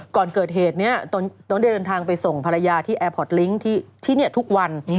ก่อนเกิดเหตุนี้ต้องได้เดินทางไปส่งภรรยาที่แอร์พอร์ตลิงค์ที่นี่ทุกวัน